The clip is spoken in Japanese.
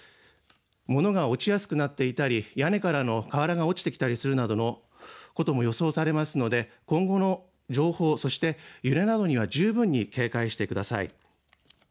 物が落ちやすくなっていたり屋根からの瓦が落ちてきたりすることも予想されますので今後の情報、そして揺れなどには十分に警戒してください。